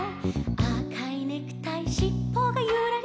「あかいネクタイシッポがゆらり」